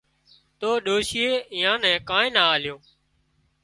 تو ڏوشيئي ايئان نين ڪانئين نا آليون